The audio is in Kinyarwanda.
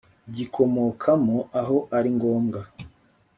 gikomokamo aho ari ngombwa